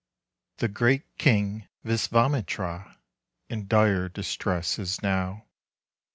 The great king Wiswamitra In dire distress is now.